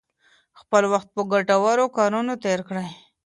خپل وخت په ګټورو کارونو تیر کړئ.